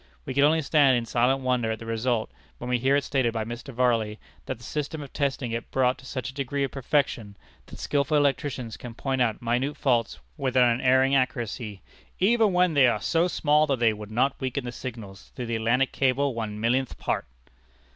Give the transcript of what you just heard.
We can only stand in silent wonder at the result, when we hear it stated by Mr. Varley, that the system of testing is brought to such a degree of perfection, that skilful electricians can point out minute faults with an unerring accuracy "even when they are so small that they would not weaken the signals through the Atlantic cable one millionth part!"